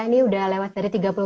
ini udah lewat dari terima kasih